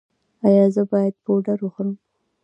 ایا زه باید پوډر وخورم؟